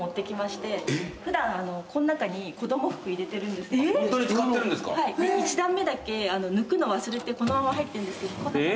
で１段目だけ抜くの忘れてこのまま入ってるんですけどこんな感じに。